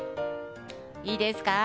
いいですか？